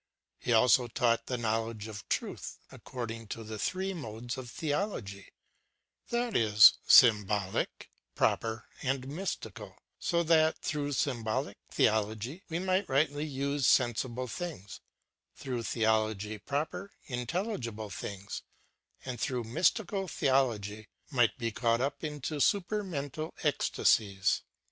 He also taught tlie knowledge of truth, according to the three modes of Theology ŌĆö that is, symbolic, proper, and mystical ŌĆö so that, tiii ough symbolic theology, we might rightly use sensible things ; through theology proper, intelligible things; and, through mystical theology, might be caught up into supermental ecstasies.